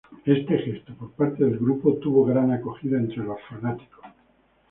Este gesto por parte del grupo tuvo gran acogida entre los fanáticos.